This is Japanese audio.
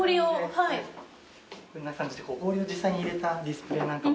こんな感じで氷を実際に入れたディスプレーなんかも。